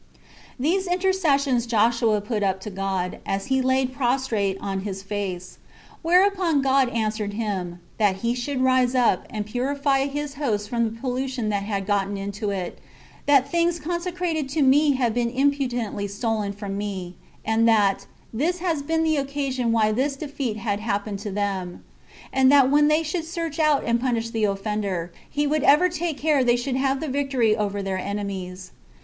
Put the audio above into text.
14. These intercessions Joshua put up to God, as he lay prostrate on his face: whereupon God answered him, That he should rise up, and purify his host from the pollution that had got into it; that "things consecrated to me have been impudently stolen from me," and that "this has been the occasion why this defeat had happened to them;" and that when they should search out and punish the offender, he would ever take care they should have the victory over their enemies.